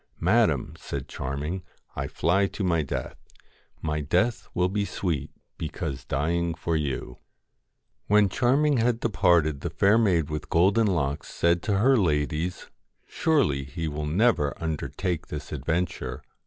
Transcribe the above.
' Madam,' said Charming, 'I fly to my death. My death will be sweet because dying for you.' When Charming had departed the Fair Maid with Golden Locks said to her ladies :' Surely he will never undertake this adventure.